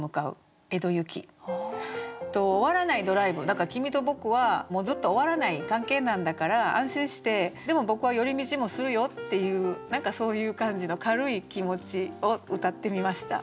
だから君と僕はもうずっと終わらない関係なんだから安心してでも僕は寄り道もするよっていう何かそういう感じの軽い気持ちをうたってみました。